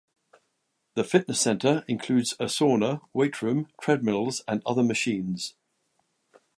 The fitness center includes a sauna, weight room, treadmills and other machines.